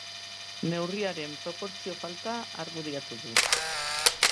Neurriaren proportzio falta argudiatu du.